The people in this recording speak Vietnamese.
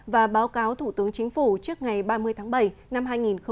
và báo cáo thủ tướng chính phủ trước ngày ba mươi tháng bảy năm hai nghìn một mươi chín